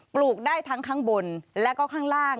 ลูกได้ทั้งข้างบนแล้วก็ข้างล่าง